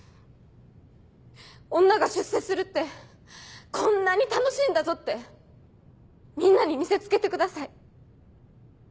女が出世するってこんなに楽しいんだぞってみんなに見せつけてください。